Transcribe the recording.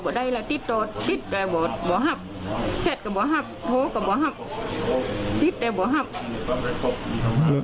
กลุ่มตัวเชียงใหม่